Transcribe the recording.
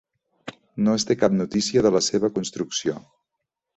No es té cap notícia de la seva construcció.